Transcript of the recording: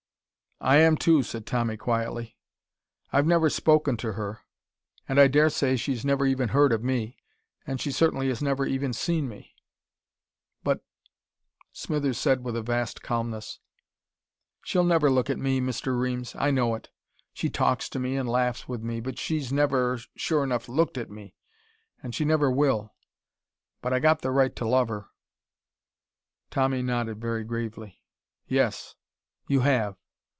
"I am, too," said Tommy quietly. "I've never spoken to her, and I daresay she's never even heard of me, and she certainly has never seen me, but " Smithers said with a vast calmness: "She'll never look at me, Mr. Reames. I know it. She talks to me, an' laughs with me, but she's never sure 'nough looked at me. An' she never will. But I got the right to love her." Tommy nodded very gravely. "Yes. You have.